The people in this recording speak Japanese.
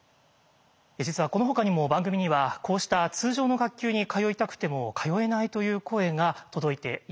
実はこのほかにも番組にはこうした通常の学級に通いたくても通えないという声が届いています。